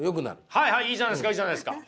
はいはいいいじゃないですかいいじゃないですか。